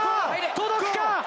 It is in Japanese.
届くか？